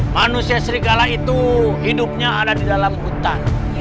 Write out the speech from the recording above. manusia serigala itu hidupnya ada di dalam hutan